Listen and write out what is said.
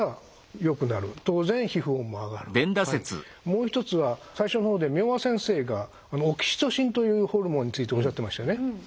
もう一つは最初の方で明和先生がオキシトシンというホルモンについておっしゃってましたよね。